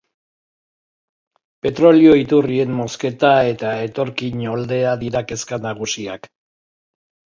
Petrolio iturrien mozketa eta etorkin oldea dira kezka nagusiak.